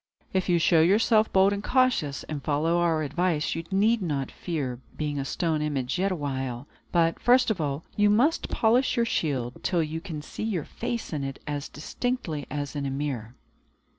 If you show yourself bold and cautious, and follow our advice, you need not fear being a stone image yet awhile. But, first of all, you must polish your shield, till you can see your face in it as distinctly as in a mirror."